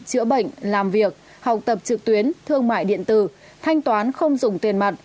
chữa bệnh làm việc học tập trực tuyến thương mại điện tử thanh toán không dùng tiền mặt